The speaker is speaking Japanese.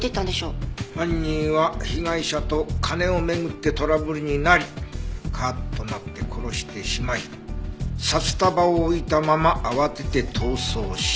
犯人は被害者と金を巡ってトラブルになりカーッとなって殺してしまい札束を置いたまま慌てて逃走したとか？